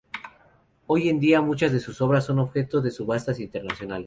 Hoy en día muchas de sus obras son objeto de subastas internacionales.